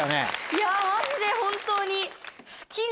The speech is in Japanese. いやマジで本当に。